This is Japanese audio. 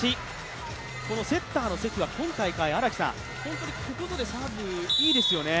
このセッターの関は今大会、本当にここぞでサーブ、いいですよね。